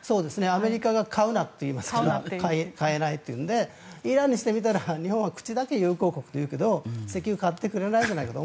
アメリカが買うなっていいますから買えないというのでイランにしてみたら日本は口だけは友好国と言うけど石油を買ってくれないじゃないかと。